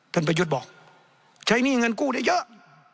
ประยุทธ์บอกใช้หนี้เงินกู้ได้เยอะ